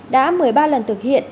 đã một mươi ba lần thực hiện